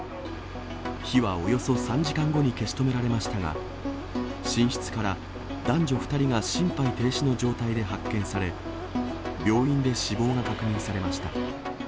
火はおよそ３時間後に消し止められましたが、寝室から男女２人が心肺停止の状態で発見され、病院で死亡が確認されました。